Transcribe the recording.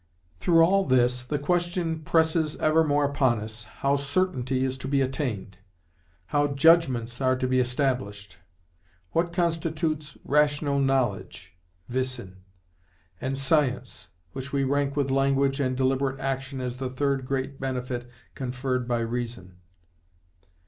Through all this, the question presses ever more upon us, how certainty is to be attained, how _judgments __ are to be established_, what constitutes rational knowledge, (wissen), and science, which we rank with language and deliberate action as the third great benefit conferred by reason.